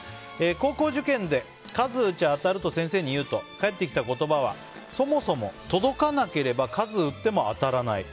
高校受験で数打ちゃ当たると先生に言うと、返ってきた言葉はそもそも届かなければ数を打っても当らない。